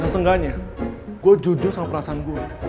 dan setengahnya gue jujur sama perasaan gue